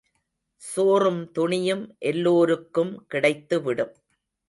சோறும் துணியும் எல்லோருக்கும் கிடைத்துவிடும்.